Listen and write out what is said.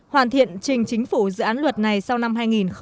hoàn thiện trình chính phủ dự án luật này sau năm hai nghìn hai mươi